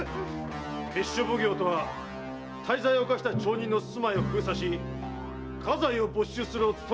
闕所奉行とは大罪を犯した町人の住まいを封鎖し家財を没収するを務めとする。